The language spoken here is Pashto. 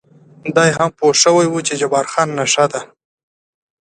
دی هم پوه شوی و چې جبار خان نشه دی.